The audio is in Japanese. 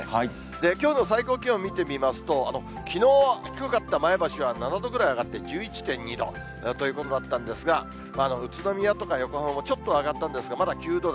きょうの最高気温見てみますと、きのう、低かった前橋では７度ぐらい上がって１１．２度ということだったんですが、宇都宮とか横浜もちょっと上がったんですが、まだ９度台。